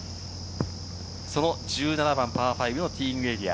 その１７番、パー５のティーイングエリア。